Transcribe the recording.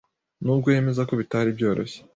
n’ubwo yemeza ko bitari byoroshye